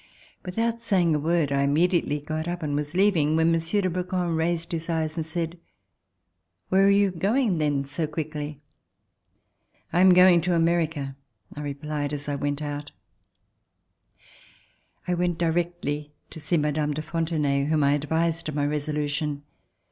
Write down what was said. Without saying a word, I Immediately got up and was leaving when Monsieur de Brouquens raised his eyes and said: "Where are you going then so quickly?" "I am going to America," I replied as I went out. RECOLLECTIONS OF THE REVOLUTION I went directly to see Mme. de Fontenay whom I advised of my resolution.